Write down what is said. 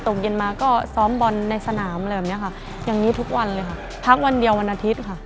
ตกเย็นมาก็ซ้อมบอลในสนามอะไรแบบนี้ค่ะอย่างนี้ทุกวันเลยค่ะพักวันเดียววันอาทิตย์ค่ะ